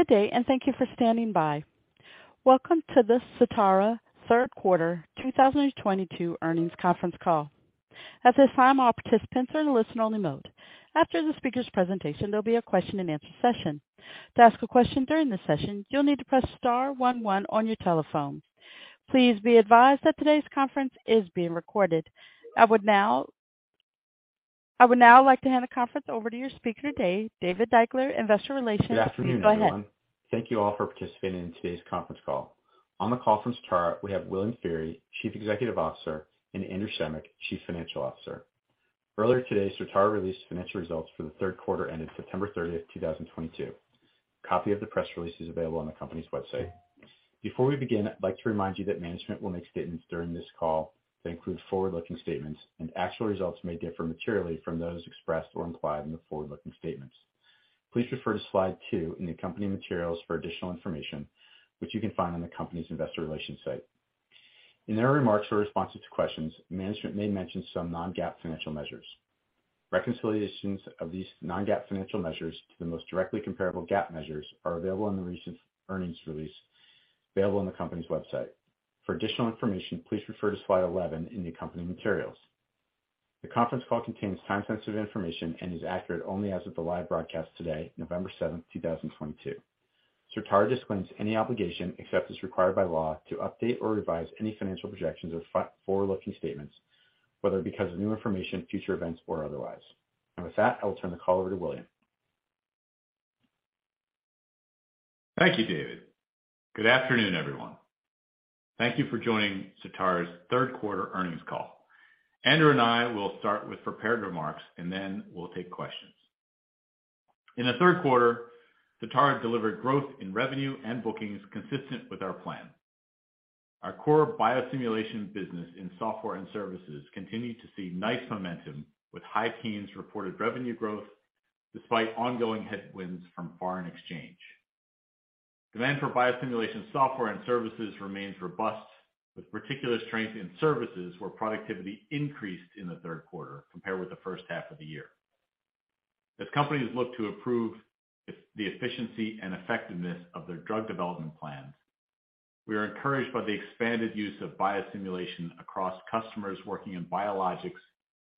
Good day and thank you for standing by. Welcome to the Certara third quarter 2022 earnings conference call. At this time, all participants are in a listen only mode. After the speaker's presentation, there'll be a question and answer session. To ask a question during the session, you'll need to press star one one on your telephone. Please be advised that today's conference is being recorded. I would now like to hand the conference over to your speaker today, David Deuchler, Investor Relations. Go ahead. Good afternoon, everyone. Thank you all for participating in today's conference call. On the call from Certara, we have William Feehery, Chief Executive Officer, and Andrew Schemick, Chief Financial Officer. Earlier today, Certara released financial results for the third quarter ended September 30, 2022. Copy of the press release is available on the company's website. Before we begin, I'd like to remind you that management will make statements during this call that include forward-looking statements, and actual results may differ materially from those expressed or implied in the forward-looking statements. Please refer to slide 2 in the company materials for additional information which you can find on the company's investor relations site. In their remarks or responses to questions, management may mention some non-GAAP financial measures. Reconciliations of these non-GAAP financial measures to the most directly comparable GAAP measures are available in the recent earnings release available on the company's website. For additional information, please refer to slide 11 in the company materials. The conference call contains time-sensitive information and is accurate only as of the live broadcast today, November 7, 2022. Certara disclaims any obligation, except as required by law, to update or revise any financial projections or forward-looking statements, whether because of new information, future events, or otherwise. With that, I will turn the call over to William. Thank you, David. Good afternoon, everyone. Thank you for joining Certara's third quarter earnings call. Andrew and I will start with prepared remarks, and then we'll take questions. In the third quarter, Certara delivered growth in revenue and bookings consistent with our plan. Our core biosimulation business in software and services continued to see nice momentum, with high teens reported revenue growth despite ongoing headwinds from foreign exchange. Demand for biosimulation software and services remains robust, with particular strength in services where productivity increased in the third quarter compared with the first half of the year. As companies look to improve the efficiency and effectiveness of their drug development plans, we are encouraged by the expanded use of biosimulation across customers working in biologics,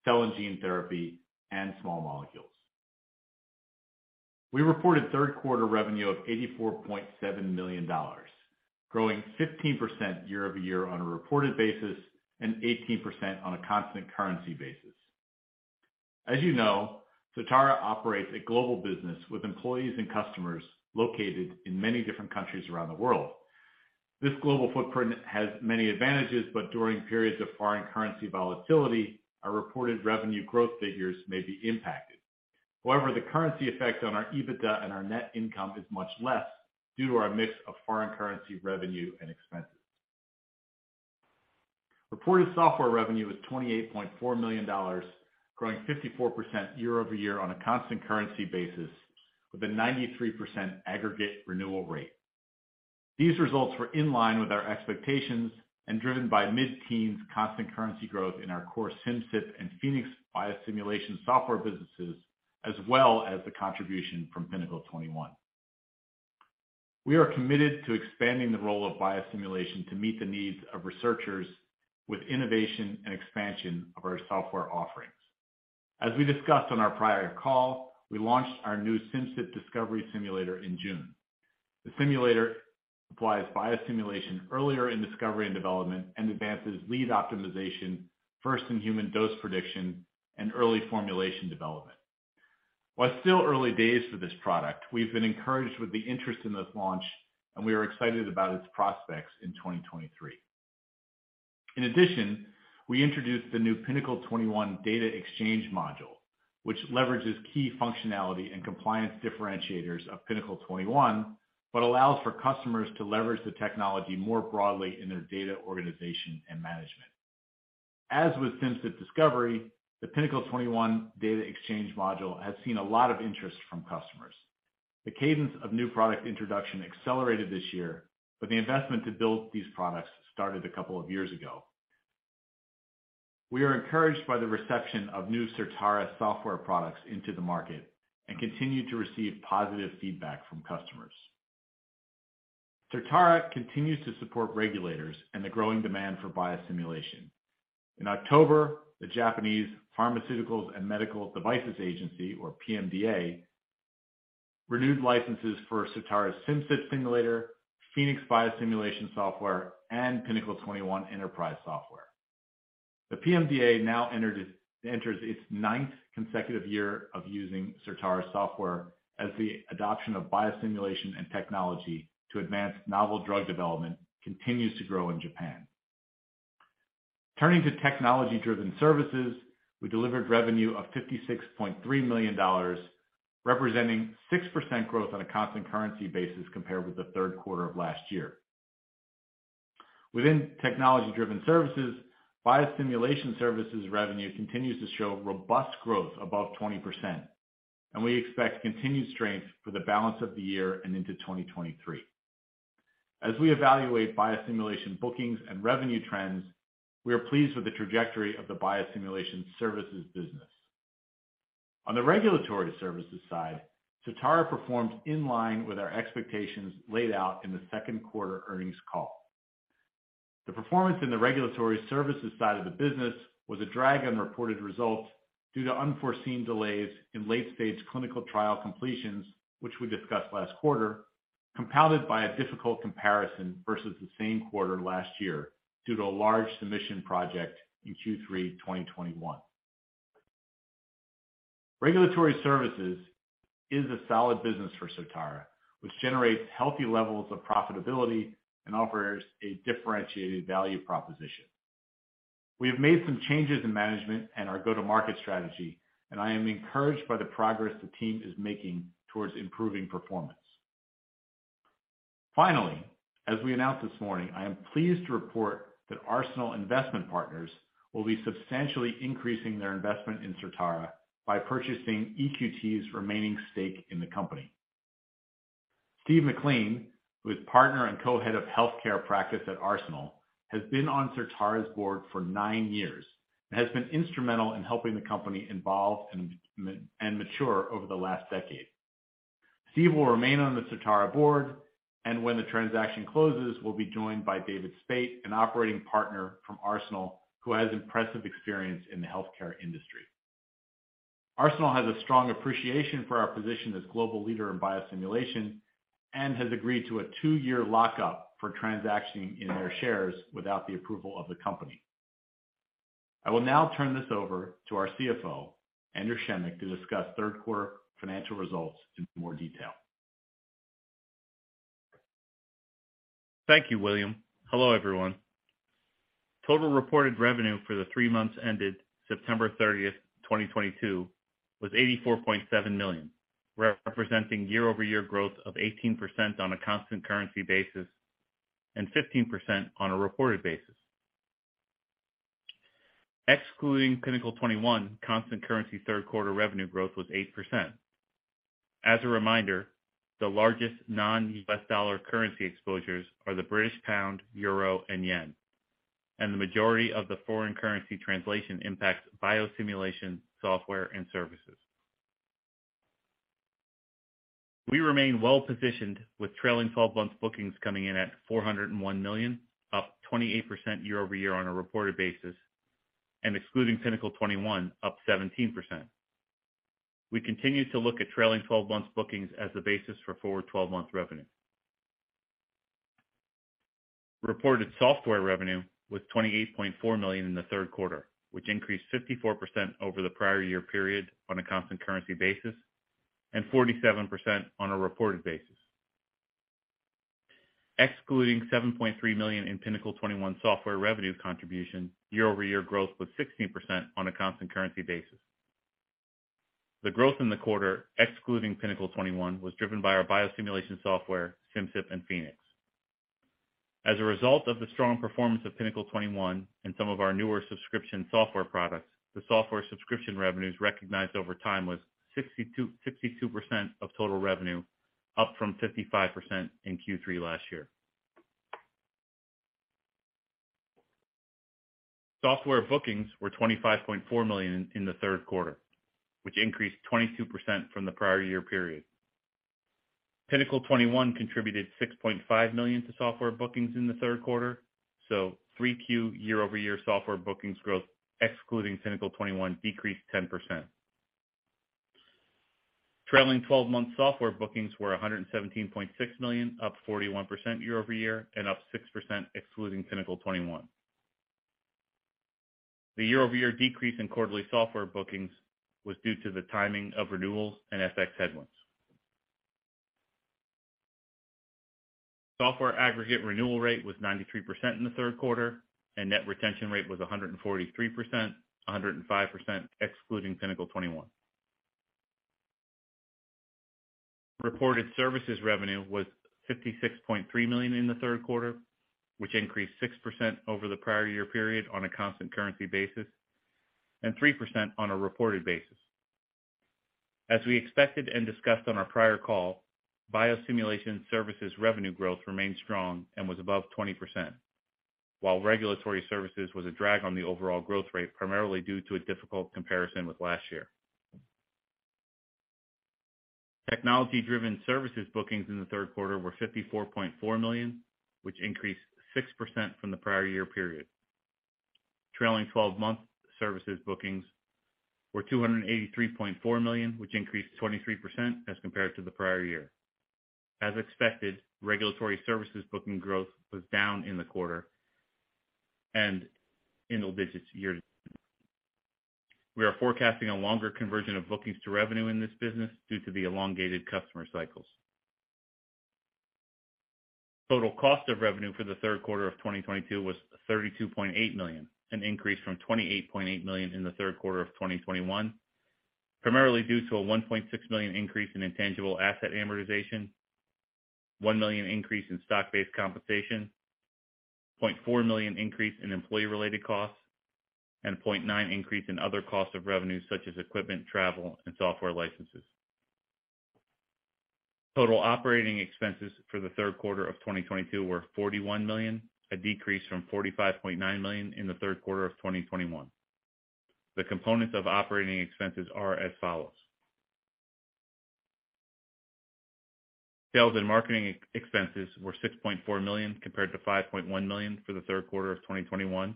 cell and gene therapy, and small molecules. We reported third quarter revenue of $84.7 million, growing 15% year-over-year on a reported basis and 18% on a constant currency basis. As you know, Certara operates a global business with employees and customers located in many different countries around the world. This global footprint has many advantages, but during periods of foreign currency volatility, our reported revenue growth figures may be impacted. However, the currency effect on our EBITDA and our net income is much less due to our mix of foreign currency revenue and expenses. Reported software revenue was $28.4 million, growing 54% year-over-year on a constant currency basis with a 93% aggregate renewal rate. These results were in line with our expectations and driven by mid-teens constant currency growth in our core Simcyp and Phoenix biosimulation software businesses as well as the contribution from Pinnacle 21. We are committed to expanding the role of biosimulation to meet the needs of researchers with innovation and expansion of our software offerings. As we discussed on our prior call, we launched our new Simcyp Discovery Simulator in June. The simulator applies biosimulation earlier in discovery and development and advances lead optimization, first in human dose prediction, and early formulation development. While it's still early days for this product, we've been encouraged with the interest in this launch, and we are excited about its prospects in 2023. In addition, we introduced the new Pinnacle 21 Data Exchange module, which leverages key functionality and compliance differentiators of Pinnacle 21 but allows for customers to leverage the technology more broadly in their data organization and management. As with Simcyp Discovery, the Pinnacle 21 Data Exchange module has seen a lot of interest from customers. The cadence of new product introduction accelerated this year, but the investment to build these products started a couple of years ago. We are encouraged by the reception of new Certara software products into the market and continue to receive positive feedback from customers. Certara continues to support regulators and the growing demand for biosimulation. In October, the Japanese Pharmaceuticals and Medical Devices Agency, or PMDA, renewed licenses for Certara's Simcyp Simulator, Phoenix Biosimulation Software, and Pinnacle 21 Enterprise Software. The PMDA now enters its ninth consecutive year of using Certara's software as the adoption of biosimulation and technology to advance novel drug development continues to grow in Japan. Turning to technology-driven services, we delivered revenue of $56.3 million, representing 6% growth on a constant currency basis compared with the third quarter of last year. Within technology-driven services, biosimulation services revenue continues to shoew robust growth above 20%, and we expect continued strength for the balance of the year and into 2023. As we evaluate biosimulation bookings and revenue trends, we are pleased with the trajectory of the biosimulation services business. On the regulatory services side, Certara performed in line with our expectations laid out in the second quarter earnings call. The performance in the regulatory services side of the business was a drag on reported results due to unforeseen delays in late-stage clinical trial completions, which we discussed last quarter, compounded by a difficult comparison versus the same quarter last year due to a large submission project in Q3 2021. Regulatory services is a solid business for Certara, which generates healthy levels of profitability and offers a differentiated value proposition. We have made some changes in management and our go-to-market strategy, and I am encouraged by the progress the team is making towards improving performance. Finally, as we announced this morning, I am pleased to report that Arsenal Capital Partners will be substantially increasing their investment in Certara by purchasing EQT's remaining stake in the company. Steve McLean, who is Partner and co-head of healthcare practice at Arsenal, has been on Certara's board for nine years and has been instrumental in helping the company evolve and mature over the last decade. Steve will remain on the Certara board and when the transaction closes, will be joined by David Spaight, an operating partner from Arsenal who has impressive experience in the healthcare industry. Arsenal has a strong appreciation for our position as global leader in biosimulation and has agreed to a two-year lockup for transacting in their shares without the approval of the company. I will now turn this over to our CFO, Andrew Schemick, to discuss third quarter financial results in more detail. Thank you, William. Hello, everyone. Total reported revenue for the three months ended September 30, 2022 was $84.7 million, representing year-over-year growth of 18% on a constant currency basis and 15% on a reported basis. Excluding Pinnacle 21, constant currency third quarter revenue growth was 8%. As a reminder, the largest non-US dollar currency exposures are the British pound, euro, and yen, and the majority of the foreign currency translation impacts biosimulation software and services. We remain well-positioned with trailing 12 months bookings coming in at $401 million, up 28% year-over-year on a reported basis and excluding Pinnacle 21, up 17%. We continue to look at trailing twelve-months bookings as the basis for forward twelve-month revenue. Reported software revenue was $28.4 million in the third quarter, which increased 54% over the prior year period on a constant currency basis and 47% on a reported basis. Excluding $7.3 million in Pinnacle 21 software revenue contribution, year-over-year growth was 16% on a constant currency basis. The growth in the quarter, excluding Pinnacle 21, was driven by our biosimulation software, Simcyp and Phoenix. As a result of the strong performance of Pinnacle 21 and some of our newer subscription software products, the software subscription revenues recognized over time was 62% of total revenue, up from 55% in Q3 last year. Software bookings were $25.4 million in the third quarter, which increased 22% from the prior year period. Pinnacle 21 contributed $6.5 million to software bookings in the third quarter, so 3Q year-over-year software bookings growth, excluding Pinnacle 21, decreased 10%. Trailing twelve-month software bookings were $117.6 million, up 41% year-over-year and up 6% excluding Pinnacle 21. The year-over-year decrease in quarterly software bookings was due to the timing of renewals and FX headwinds. Software aggregate renewal rate was 93% in the third quarter, and net retention rate was 143%, 105% excluding Pinnacle 21. Reported services revenue was $56.3 million in the third quarter, which increased 6% over the prior year period on a constant currency basis and 3% on a reported basis. As we expected and discussed on our prior call, biosimulation services revenue growth remained strong and was above 20%, while regulatory services was a drag on the overall growth rate, primarily due to a difficult comparison with last year. Technology-driven services bookings in the third quarter were $54.4 million, which increased 6% from the prior year period. Trailing twelve-month services bookings were $283.4 million, which increased 23% as compared to the prior year. As expected, regulatory services booking growth was down in the quarter and in the single digits year-over-year. We are forecasting a longer conversion of bookings to revenue in this business due to the elongated customer cycles. Total cost of revenue for the third quarter of 2022 was $32.8 million, an increase from $28.8 million in the third quarter of 2021, primarily due to a $1.6 million increase in intangible asset amortization, $1 million increase in stock-based compensation, $0.4 million increase in employee related costs and $0.9 million increase in other cost of revenues such as equipment, travel, and software licenses. Total operating expenses for the third quarter of 2022 were $41 million, a decrease from $45.9 million in the third quarter of 2021. The components of operating expenses are as follows. Sales and marketing expenses were $6.4 million compared to $5.1 million for the third quarter of 2021.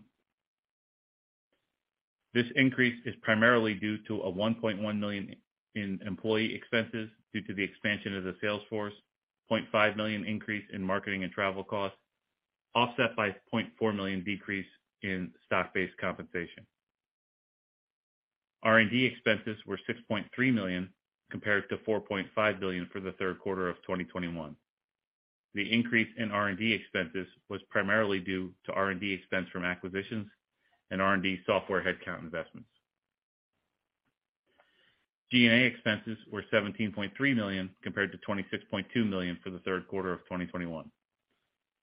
This increase is primarily due to a $1.1 million in employee expenses due to the expansion of the sales force, $0.5 million increase in marketing and travel costs, offset by $0.4 million decrease in stock-based compensation. R&D expenses were $6.3 million compared to $4.5 million for the third quarter of 2021. The increase in R&D expenses was primarily due to R&D expense from acquisitions and R&D software headcount investments. G&A expenses were $17.3 million compared to $26.2 million for the third quarter of 2021.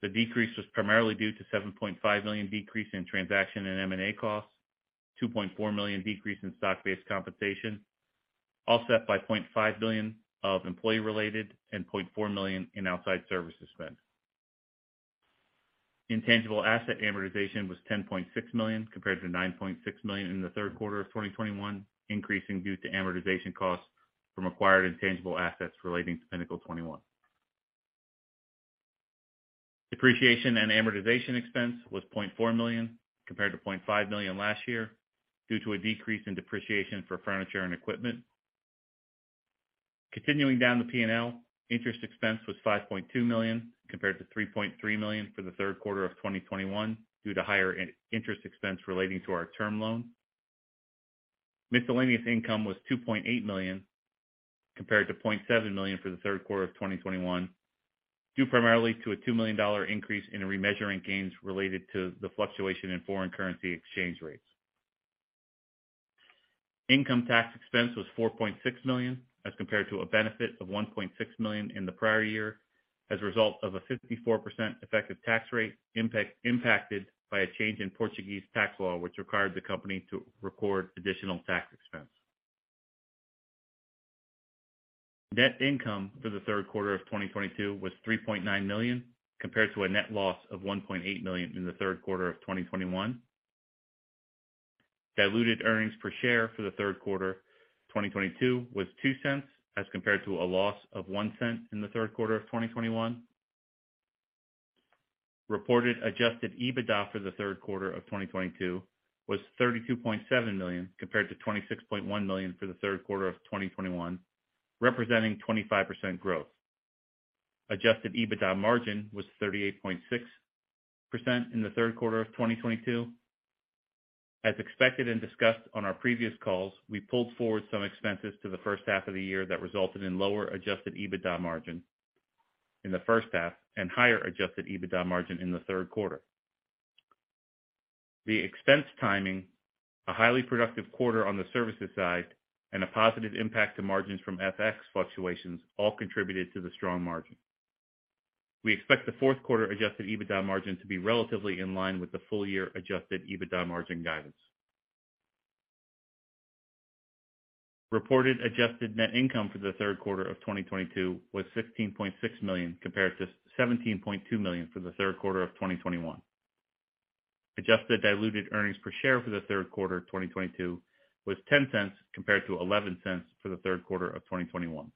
The decrease was primarily due to $7.5 million decrease in transaction and M&A costs, $2.4 million decrease in stock-based compensation, offset by $0.5 million of employee related and $0.4 million in outside services spent. Intangible asset amortization was $10.6 million compared to $9.6 million in the third quarter of 2021, increasing due to amortization costs from acquired intangible assets relating to Pinnacle 21. Depreciation and amortization expense was $0.4 million compared to $0.5 million last year due to a decrease in depreciation for furniture and equipment. Continuing down the P&L, interest expense was $5.2 million compared to $3.3 million for the third quarter of 2021 due to higher interest expense relating to our term loan. Miscellaneous income was $2.8 million compared to $0.7 million for the third quarter of 2021, due primarily to a $2 million increase in remeasurement gains related to the fluctuation in foreign currency exchange rates. Income tax expense was $4.6 million as compared to a benefit of $1.6 million in the prior year as a result of a 54% effective tax rate impacted by a change in Portuguese tax law which required the company to record additional tax expense. Net income for the third quarter of 2022 was $3.9 million compared to a net loss of $1.8 million in the third quarter of 2021. Diluted earnings per share for the third quarter 2022 was $0.02 as compared to a loss of $0.01 in the third quarter of 2021. Reported adjusted EBITDA for the third quarter of 2022 was $32.7 million compared to $26.1 million for the third quarter of 2021, representing 25% growth. Adjusted EBITDA margin was 38.6% in the third quarter of 2022. As expected and discussed on our previous calls, we pulled forward some expenses to the first half of the year that resulted in lower adjusted EBITDA margin in the first half and higher adjusted EBITDA margin in the third quarter. The expense timing, a highly productive quarter on the services side, and a positive impact to margins from FX fluctuations all contributed to the strong margin. We expect the fourth quarter adjusted EBITDA margin to be relatively in line with the full-year adjusted EBITDA margin guidance. Reported adjusted net income for the third quarter of 2022 was $16.6 million compared to $17.2 million for the third quarter of 2021. Adjusted diluted earnings per share for the third quarter of 2022 was $0.10 compared to $0.11 for the third quarter of 2021.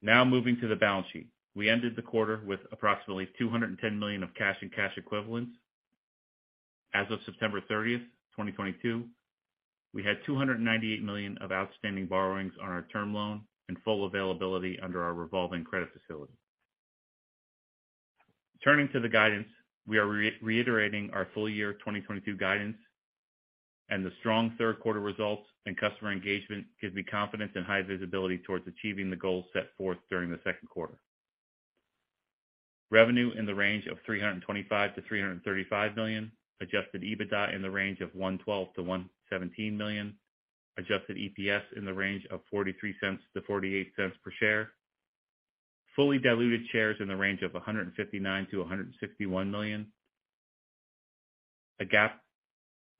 Now moving to the balance sheet. We ended the quarter with approximately $210 million of cash and cash equivalents. As of September 30, 2022, we had $298 million of outstanding borrowings on our term loan and full availability under our revolving credit facility. Turning to the guidance, we are reiterating our full year 2022 guidance and the strong third quarter results and customer engagement gives me confidence and high visibility towards achieving the goals set forth during the second quarter. Revenue in the range of $325 million-$335 million, adjusted EBITDA in the range of $112 million-$117 million, adjusted EPS in the range of $0.43-$0.48 per share, fully diluted shares in the range of 159 million-161 million, a GAAP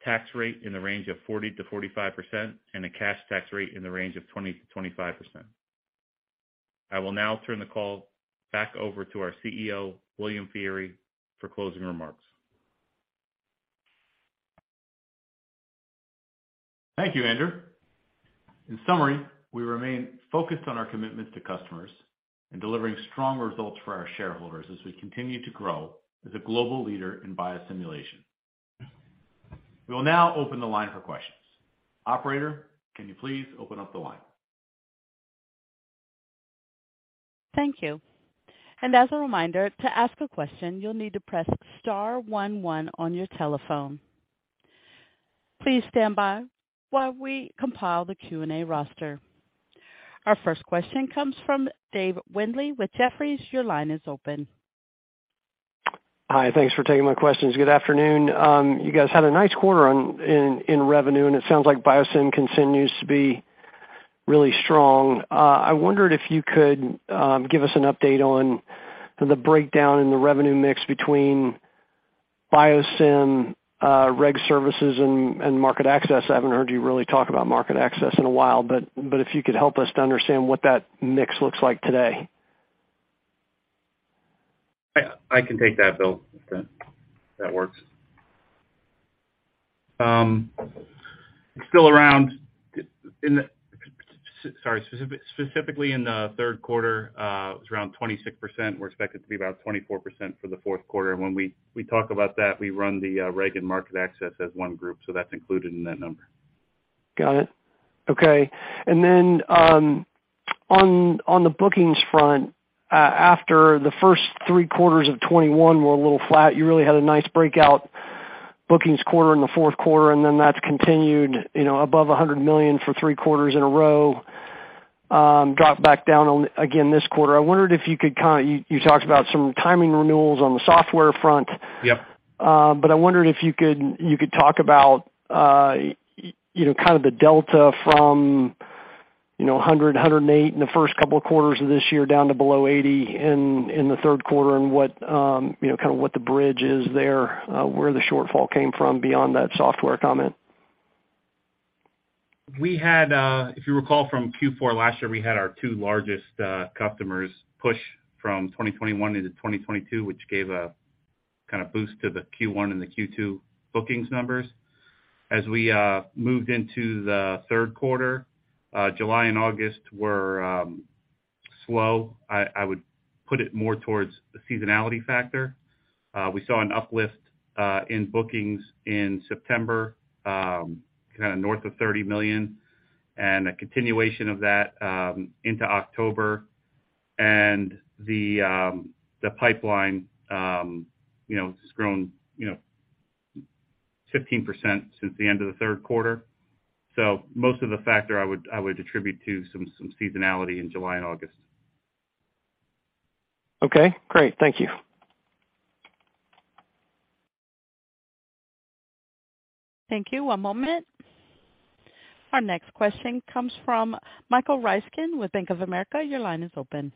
tax rate in the range of 40%-45%, and a cash tax rate in the range of 20%-25%. I will now turn the call back over to our CEO, William Feehery, for closing remarks. Thank you, Andrew. In summary, we remain focused on our commitments to customers and delivering strong results for our shareholders as we continue to grow as a global leader in biosimulation. We will now open the line for questions. Operator, can you please open up the line? Thank you. As a reminder, to ask a question, you'll need to press star one one on your telephone. Please stand by while we compile the Q&A roster. Our first question comes from Dave Windley with Jefferies. Your line is open. Hi, thanks for taking my questions. Good afternoon. You guys had a nice quarter on revenue, and it sounds like Biosim continues to be really strong. I wondered if you could give us an update on the breakdown in the revenue mix between Biosim, Reg Services and market access. I haven't heard you really talk about market access in a while, but if you could help us to understand what that mix looks like today. I can take that, Bill, if that works. Sorry. Specifically in the third quarter, it was around 26%. We're expected to be about 24% for the fourth quarter. When we talk about that, we run the reg and market access as one group, so that's included in that number. Got it. Okay. On the bookings front, after the first three quarters of 2021 were a little flat, you really had a nice breakout bookings quarter in the fourth quarter, and then that's continued, you know, above $100 million for three quarters in a row. Dropped back down, again, this quarter. I wondered if you could. You talked about some timing renewals on the software front. Yep. I wondered if you could talk about, you know, kind of the delta from, you know, 108 in the first couple of quarters of this year down to below 80 in the third quarter and what, you know, kind of what the bridge is there, where the shortfall came from beyond that software comment. We had, if you recall from Q4 last year, we had our two largest customers push from 2021 into 2022, which gave a kind of boost to the Q1 and the Q2 bookings numbers. As we moved into the third quarter, July and August were slow. I would put it more towards the seasonality factor. We saw an uplift in bookings in September, kind of north of $30 million, and a continuation of that into October. The pipeline you know has grown you know 15% since the end of the third quarter. Most of the factor I would attribute to some seasonality in July and August. Okay, great. Thank you. Thank you. One moment. Our next question comes from Michael Ryskin with Bank of America. Your line is open.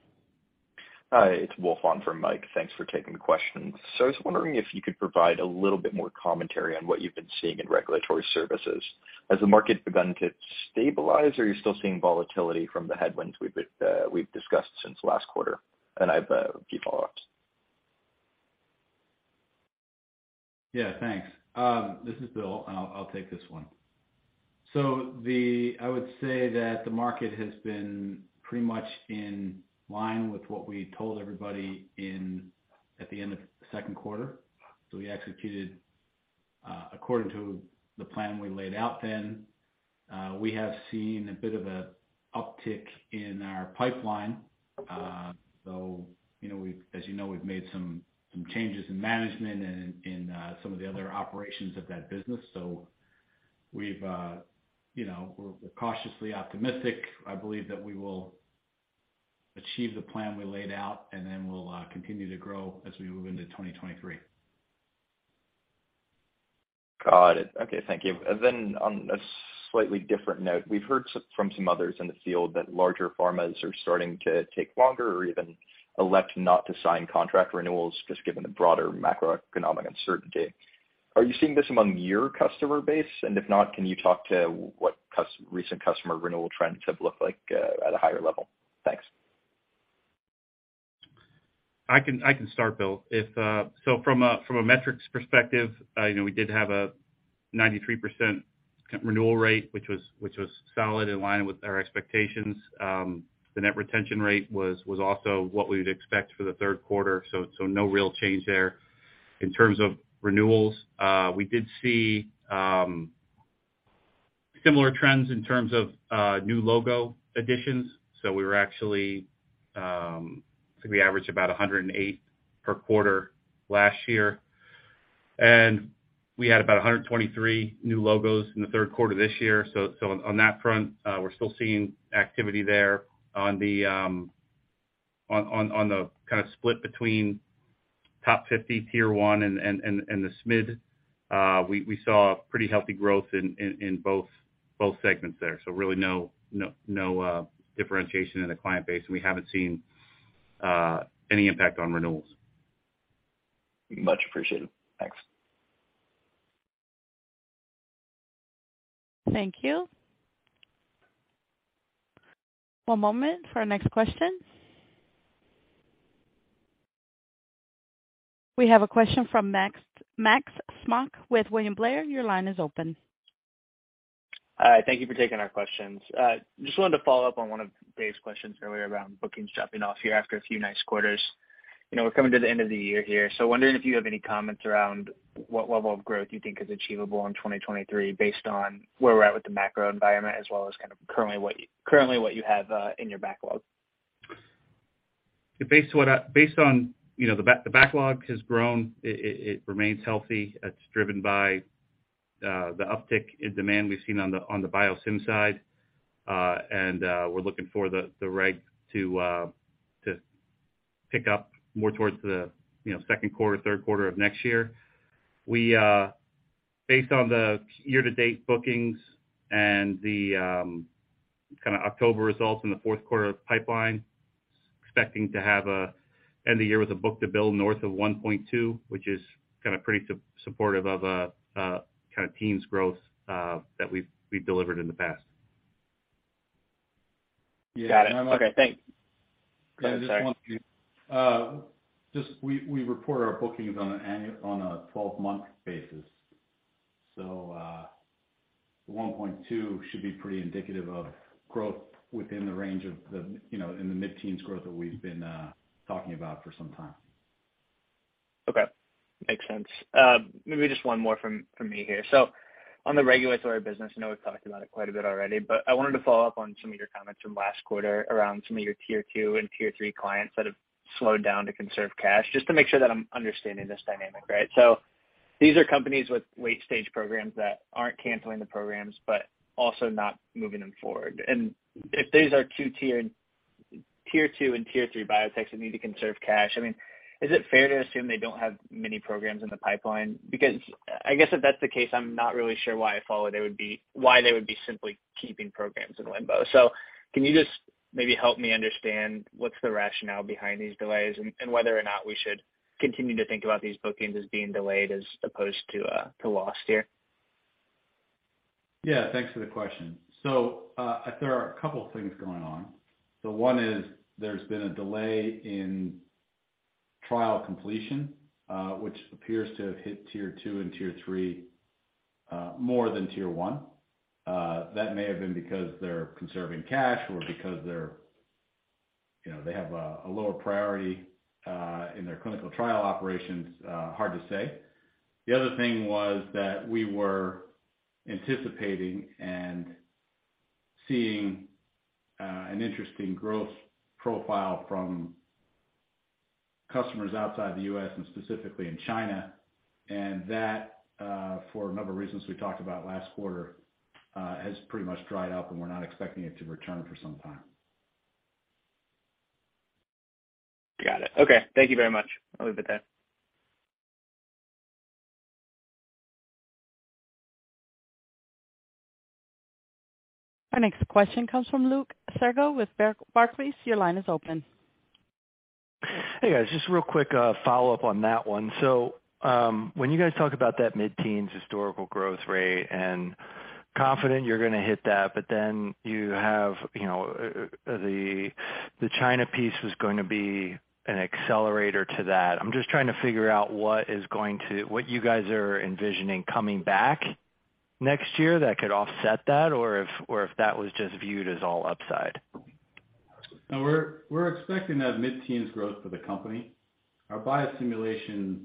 Hi, it's Wolfe for Mike. Thanks for taking the questions. I was wondering if you could provide a little bit more commentary on what you've been seeing in regulatory services. Has the market begun to stabilize, or are you still seeing volatility from the headwinds we've discussed since last quarter? And I have a few follow-ups. Yeah, thanks. This is Bill, and I'll take this one. I would say that the market has been pretty much in line with what we told everybody in at the end of the second quarter. We executed according to the plan we laid out then. We have seen a bit of an uptick in our pipeline. As you know, we've made some changes in management and in some of the other operations of that business. You know, we're cautiously optimistic. I believe that we will achieve the plan we laid out, and then we'll continue to grow as we move into 2023. Got it. Okay, thank you. Then on a slightly different note, we've heard from some others in the field that larger pharmas are starting to take longer or even elect not to sign contract renewals just given the broader macroeconomic uncertainty. Are you seeing this among your customer base? If not, can you talk to what recent customer renewal trends have looked like at a higher level? Thanks. I can start, Bill. From a metrics perspective, you know, we did have a 93% renewal rate, which was solid, in line with our expectations. The net retention rate was also what we'd expect for the third quarter, so no real change there. In terms of renewals, we did see similar trends in terms of new logo additions. We were actually, I think we averaged about 108 per quarter last year. We had about 123 new logos in the third quarter this year. On that front, we're still seeing activity there. On the kind of split between top 50 tier one and the SMID, we saw pretty healthy growth in both segments there. Really no differentiation in the client base, and we haven't seen any impact on renewals. Much appreciated. Thanks. Thank you. One moment for our next question. We have a question from Max Smock with William Blair. Your line is open. Hi. Thank you for taking our questions. Just wanted to follow up on one of Dave's questions earlier around bookings dropping off here after a few nice quarters. You know, we're coming to the end of the year here, so wondering if you have any comments around what level of growth you think is achievable in 2023 based on where we're at with the macro environment as well as kind of currently what you have in your backlog. Based on, you know, the backlog has grown. It remains healthy. It's driven by the uptick in demand we've seen on the Biosim side. We're looking for the reg to pick up more towards the, you know, second quarter, third quarter of next year. Based on the year-to-date bookings and the kind of October results and the fourth quarter pipeline, expecting to have an end of year with a book-to-bill north of 1.2, which is kind of pretty supportive of a kind of teens growth that we've delivered in the past. Got it. Okay, thanks. Yeah, I might. Go ahead, sorry. We report our bookings on a 12-month basis. The 1.2 should be pretty indicative of growth within the range of the, you know, in the mid-teens growth that we've been talking about for some time. Okay. Makes sense. Maybe just one more from me here. On the regulatory business, I know we've talked about it quite a bit already, but I wanted to follow up on some of your comments from last quarter around some of your tier two and tier three clients that have slowed down to conserve cash, just to make sure that I'm understanding this dynamic right. These are companies with late-stage programs that aren't canceling the programs, but also not moving them forward. If these are tier two and tier three biotechs that need to conserve cash, I mean, is it fair to assume they don't have many programs in the pipeline? Because I guess if that's the case, I'm not really sure why they would be simply keeping programs in limbo. Can you just maybe help me understand what's the rationale behind these delays and whether or not we should continue to think about these bookings as being delayed as opposed to lost here? Yeah. Thanks for the question. There are a couple things going on. One is there's been a delay in trial completion, which appears to have hit tier two and tier three more the tier one. That may have been because they're conserving cash or because they're, you know, they have a lower priority in their clinical trial operations, hard to say. The other thing was that we were anticipating and seeing an interesting growth profile from customers outside the US and specifically in China. That, for a number of reasons we talked about last quarter, has pretty much dried up, and we're not expecting it to return for some time. Got it. Okay. Thank you very much. I'll leave it there. Our next question comes from Luke Sergott with Barclays. Your line is open. Hey, guys. Just real quick, follow-up on that one. When you guys talk about that mid-teens historical growth rate and confident you're going to hit that, but then you have, you know, the China piece was going to be an accelerator to that. I'm just trying to figure out what you guys are envisioning coming back next year that could offset that, or if that was just viewed as all upside. No, we're expecting that mid-teens growth for the company. Our biosimulation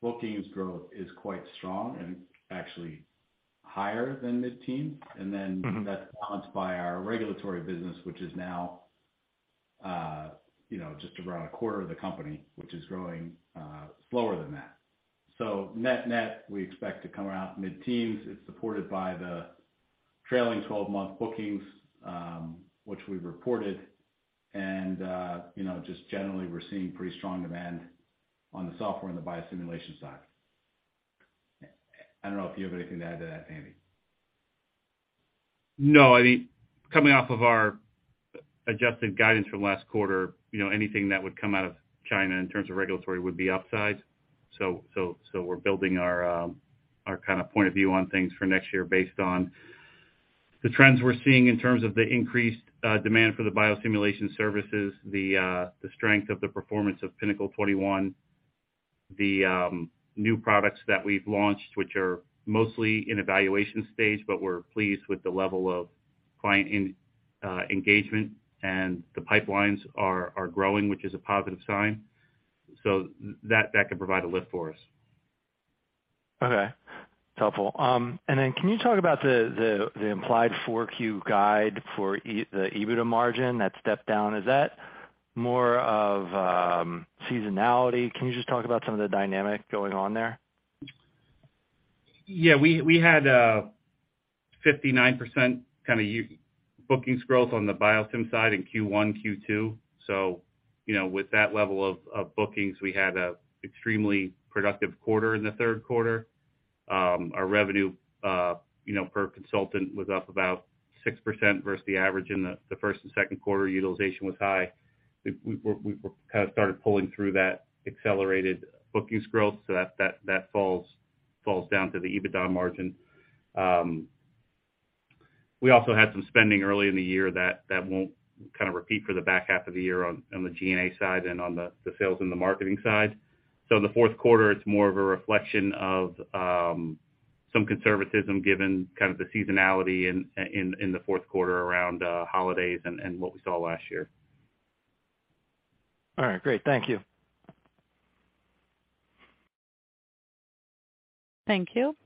bookings growth is quite strong and actually higher than mid-teens. Mm-hmm. That's balanced by our regulatory business, which is now, you know, just around a quarter of the company, which is growing slower than that. Net-net, we expect to come around mid-teens. It's supported by the trailing twelve-month bookings, which we've reported. You know, just generally, we're seeing pretty strong demand on the software and the biosimulation side. I don't know if you have anything to add to that, Andy. No. I mean, coming off of our adjusted guidance from last quarter, you know, anything that would come out of China in terms of regulatory would be upside. We're building our kind of point of view on things for next year based on the trends we're seeing in terms of the increased demand for the biosimulation services, the strength of the performance of Pinnacle 21, the new products that we've launched, which are mostly in evaluation stage, but we're pleased with the level of client engagement and the pipelines are growing, which is a positive sign. That could provide a lift for us. Okay. Helpful. Can you talk about the implied 4Q guide for the EBITDA margin that stepped down? Is that more of seasonality? Can you just talk about some of the dynamics going on there? We had 59% bookings growth on the biosim side in Q1, Q2. You know, with that level of bookings, we had a extremely productive quarter in the third quarter. Our revenue, you know, per consultant was up about 6% versus the average in the first and second quarter. Utilization was high. We're kind of started pulling through that accelerated bookings growth so that falls down to the EBITDA margin. We also had some spending early in the year that won't kind of repeat for the back half of the year on the G&A side and on the sales and the marketing side. In the fourth quarter, it's more of a reflection of some conservatism given kind of the seasonality in the fourth quarter around holidays and what we saw last year. All right. Great. Thank you. Thank you.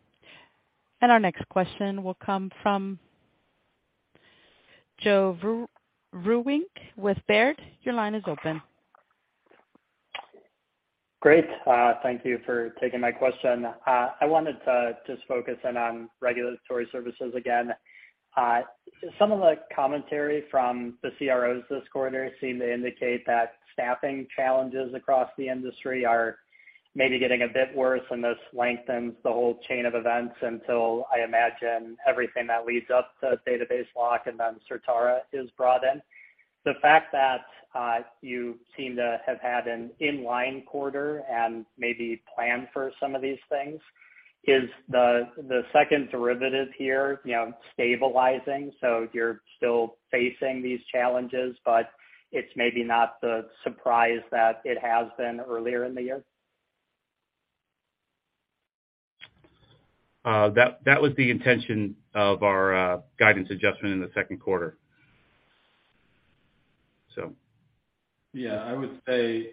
Our next question will come from Joe Vruwink with Baird. Your line is open. Great. Thank you for taking my question. I wanted to just focus in on regulatory services again. Some of the commentary from the CROs this quarter seem to indicate that staffing challenges across the industry are maybe getting a bit worse, and this lengthens the whole chain of events until I imagine everything that leads up to a database lock and then Certara is brought in. The fact that you seem to have had an in-line quarter and maybe planned for some of these things, is the second derivative here, you know, stabilizing, so you're still facing these challenges, but it's maybe not the surprise that it has been earlier in the year? That was the intention of our guidance adjustment in the second quarter. Yeah, I would say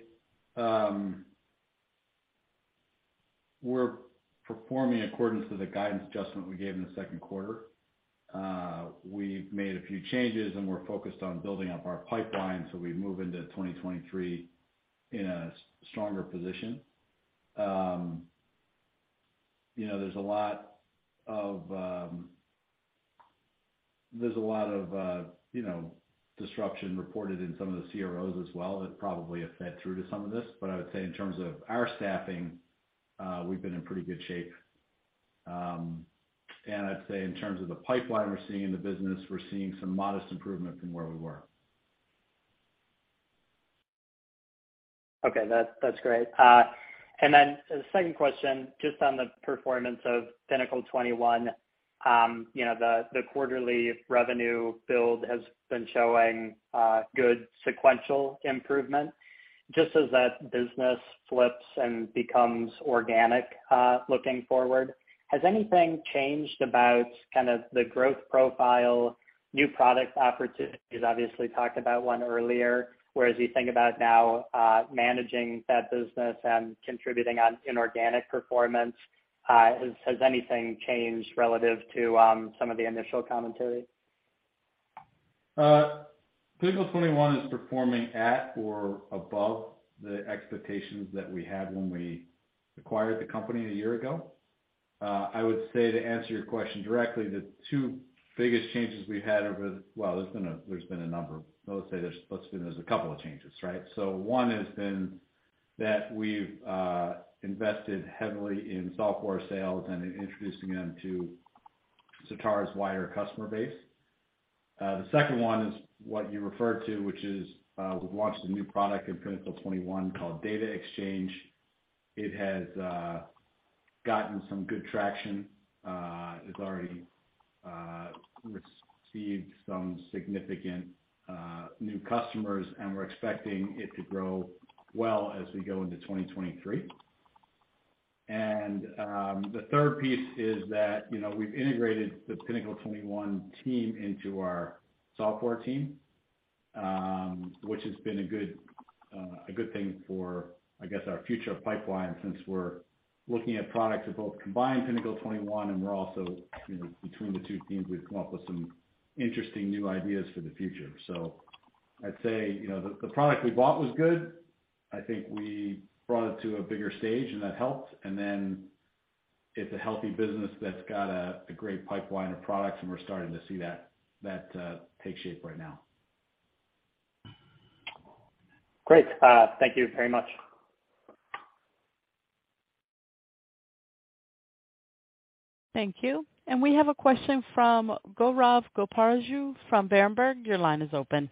we're performing in accordance to the guidance adjustment we gave in the second quarter. We've made a few changes, and we're focused on building up our pipeline, so we move into 2023 in a stronger position. You know, there's a lot of disruption reported in some of the CROs as well that probably have fed through to some of this. I would say in terms of our staffing, we've been in pretty good shape. I'd say in terms of the pipeline we're seeing in the business, we're seeing some modest improvement from where we were. Okay. That's great. The second question, just on the performance of Pinnacle 21. You know, the quarterly revenue build has been showing good sequential improvement. Just as that business flips and becomes organic, looking forward, has anything changed about kind of the growth profile, new product opportunities? Obviously, you talked about one earlier. Whereas you think about now, managing that business and contributing on inorganic performance, has anything changed relative to some of the initial commentary? Pinnacle 21 is performing at or above the expectations that we had when we acquired the company a year ago. I would say to answer your question directly, the two biggest changes we've had. There's been a number. Let's say there's a couple of changes, right? One has been that we've invested heavily in software sales and in introducing them to Certara's wider customer base. The second one is what you referred to, which is, we've launched a new product in Pinnacle 21 called Data Exchange. It has gotten some good traction. It's already received some significant new customers, and we're expecting it to grow well as we go into 2023. The third piece is that, you know, we've integrated the Pinnacle 21 team into our software team, which has been a good thing for, I guess, our future pipeline since we're looking at products that both combine Pinnacle 21 and we're also, you know, between the two teams, we've come up with some interesting new ideas for the future. I'd say, you know, the product we bought was good. I think we brought it to a bigger stage and that helped. It's a healthy business that's got a great pipeline of products, and we're starting to see that take shape right now. Great. Thank you very much. Thank you. We have a question from Gaurav Goparaju from Berenberg. Your line is open.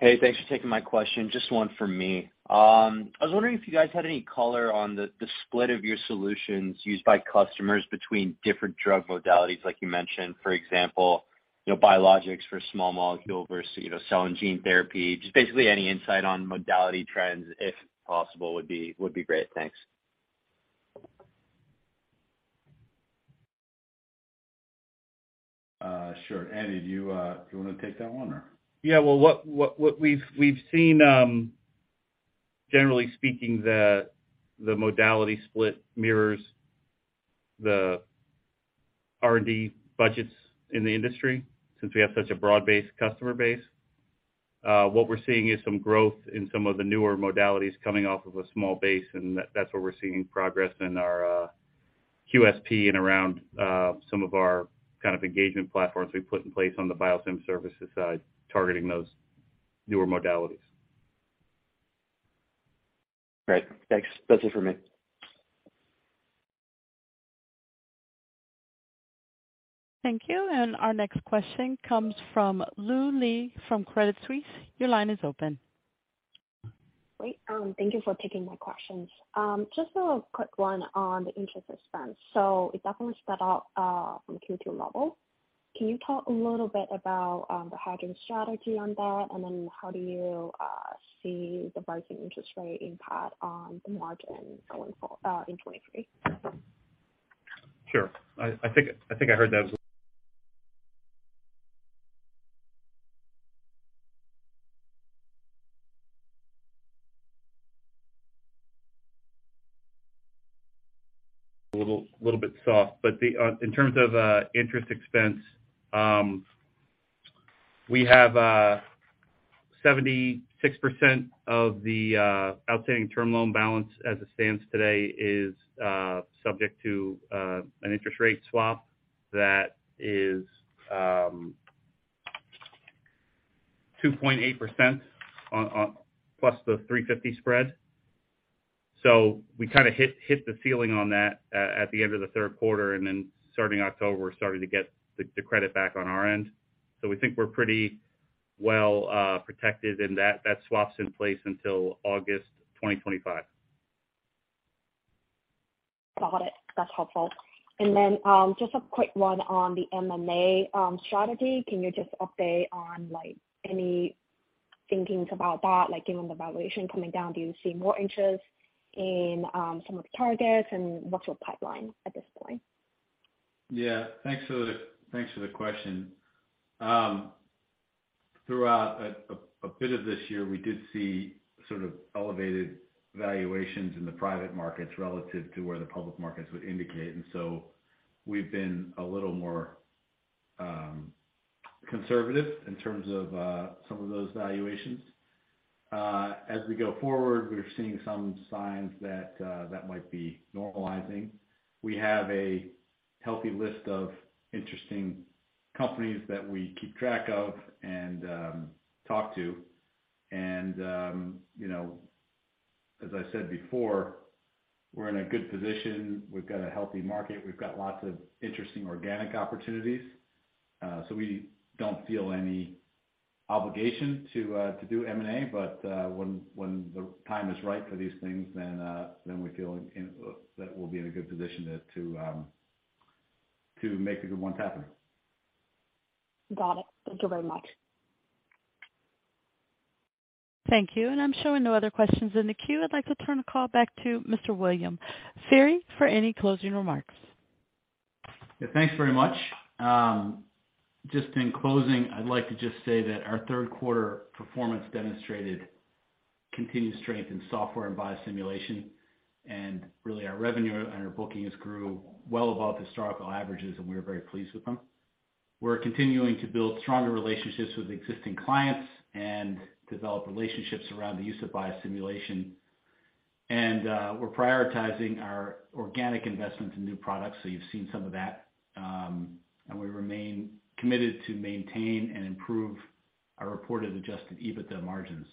Hey, thanks for taking my question. Just one for me. I was wondering if you guys had any color on the split of your solutions used by customers between different drug modalities, like you mentioned, for example, you know, biologics, small molecules versus, you know, cell and gene therapy. Just basically any insight on modality trends, if possible, would be great. Thanks. Sure. Andy, do you wanna take that one or? Yeah. Well, what we've seen, generally speaking, the modality split mirrors the R&D budgets in the industry since we have such a broad-based customer base. What we're seeing is some growth in some of the newer modalities coming off of a small base, and that's where we're seeing progress in our QSP and around some of our kind of engagement platforms we've put in place on the Biosim services side, targeting those newer modalities. Great. Thanks. That's it for me. Thank you. Our next question comes from Lu Li from Credit Suisse. Your line is open. Great. Thank you for taking my questions. Just a quick one on the interest expense. It definitely sped up from Q2 levels. Can you talk a little bit about the hedging strategy on that? Then how do you see the rising interest rate impact on the margin going in 2023? Sure. I think I heard that. A little bit soft. In terms of interest expense, we have 76% of the outstanding term loan balance as it stands today is subject to an interest rate swap that is 2.8% plus the 3.50 spread. We kinda hit the ceiling on that at the end of the third quarter, and then starting October, we're starting to get the credit back on our end. We think we're pretty well protected, and that swap's in place until August 2025. Got it. That's helpful. Just a quick one on the M&A strategy. Can you just update on, like, any thinking about that? Like, given the valuation coming down, do you see more interest in some of the targets and what's your pipeline at this point? Yeah. Thanks for the question. Throughout a bit of this year, we did see sort of elevated valuations in the private markets relative to where the public markets would indicate. We've been a little more conservative in terms of some of those valuations. As we go forward, we're seeing some signs that might be normalizing. We have a healthy list of interesting companies that we keep track of and talk to. You know, as I said before, we're in a good position. We've got a healthy market. We've got lots of interesting organic opportunities. We don't feel any obligation to do M&A. When the time is right for these things, then we feel that we'll be in a good position to make a good one happen. Got it. Thank you very much. Thank you. I'm showing no other questions in the queue. I'd like to turn the call back to Mr. William Feehery for any closing remarks. Yeah, thanks very much. Just in closing, I'd like to just say that our third quarter performance demonstrated continued strength in software and biosimulation, and really, our revenue and our bookings grew well above historical averages, and we are very pleased with them. We're continuing to build stronger relationships with existing clients and develop relationships around the use of biosimulation. We're prioritizing our organic investment in new products, so you've seen some of that. We remain committed to maintain and improve our reported adjusted EBITDA margins.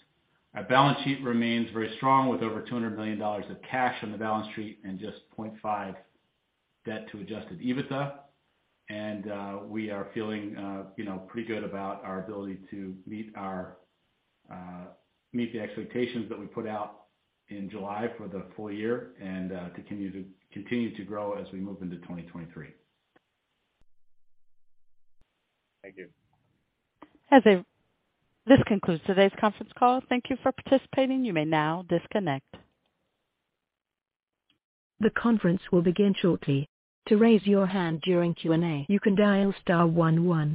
Our balance sheet remains very strong with over $200 million of cash on the balance sheet and just 0.5 debt to adjusted EBITDA. We are feeling, you know, pretty good about our ability to meet the expectations that we put out in July for the full year and continue to grow as we move into 2023. Thank you. This concludes today's conference call. Thank you for participating. You may now disconnect. The conference will begin shortly. To raise your hand during Q&A, you can dial star one one.